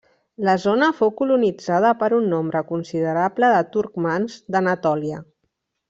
La zona fou colonitzada per un nombre considerable de turcmans d'Anatòlia.